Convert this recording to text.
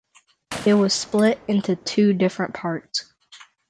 It was split into two different parts.